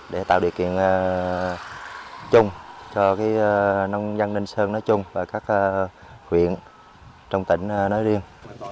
để tạo điều kiện chung cho nông dân ninh sơn nói chung và các huyện trong tỉnh nói riêng